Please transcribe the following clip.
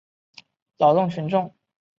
劳动群众。